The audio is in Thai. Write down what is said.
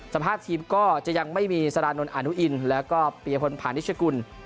สัมภาษณ์ทีมก็จะยังไม่มีสถานนท์อานุอินแล้วก็เปรียบพ้นผ่านนิชกุล